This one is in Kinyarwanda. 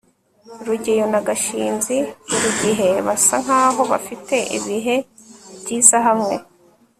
rugeyo na gashinzi burigihe basa nkaho bafite ibihe byiza hamwe